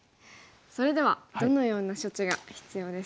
それではどのような処置が必要ですか？